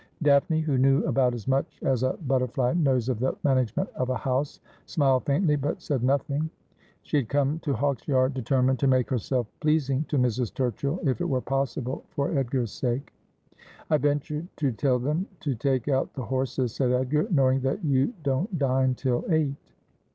Daphne, who knew about as much as a butterfly knows of the management of a house, smiled faintly but said nothing. She had come to Hawksyard determined to make herself pleas ing to Mrs. Turchill, if it were possible, for Edgar's sake. ' I ventured to tell them to take out the horses,' said Edgar, ' knowing that you don't dine till eight.'